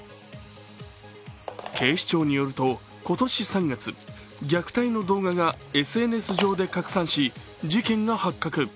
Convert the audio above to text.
警視庁によると今年３月、虐待の動画がＳＮＳ上で拡散し、事件が発覚。